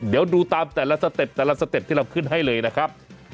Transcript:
เดี๋ยวดูตามแต่ละสเตบที่เราขึ้นให้เลยนะครับ